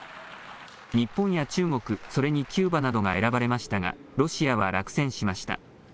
日本や中国、それにキューバなどが選ばれましたがロシアは落選しました。